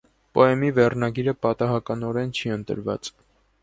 Պոեմի վերնագիրը պատահականորեն չի ընտրված։